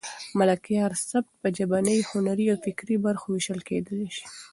د ملکیار سبک په ژبني، هنري او فکري برخو وېشل کېدای شي.